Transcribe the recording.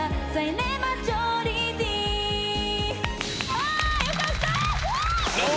あよかった！